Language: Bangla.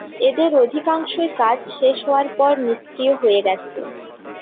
এদের অধিকাংশই কাজ শেষ হওয়ার পর নিষ্কিয় হয়ে গেছে।